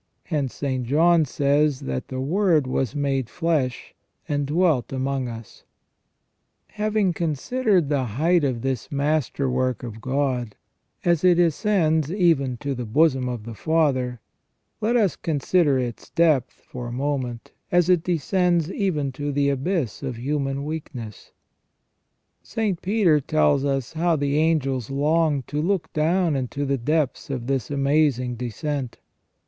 Hence St. John says that " the Word was made flesh, and dwelt among us ". Having considered the height of this master work of God, as it ascends even to the bosom of the Father, let us consider its depth * S. Thoma, Sum. contra Gent., lib. iv., c. 41. 334 THE RESTORATION OF MAN. for a moment, as it descends even to the abyss of human weak ness. St. Peter tells us how the angels longed to look down into the depths of this amazing descent.